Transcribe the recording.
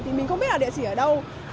thì mình không biết là địa chỉ ở đâu